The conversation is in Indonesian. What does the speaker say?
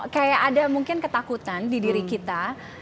kayak ada mungkin ketakutan di diri kita